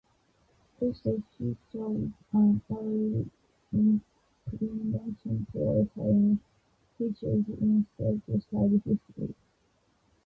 Although he showed an early inclination toward science, he chose instead to study history.